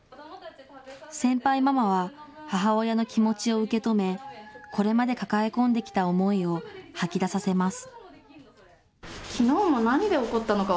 先輩ママは、母親の気持ちを受け止め、これまで抱え込んできた思いを吐き出させます。